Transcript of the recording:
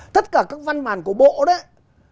tất cả các văn bản của bộ đấy